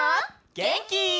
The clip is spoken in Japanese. げんき？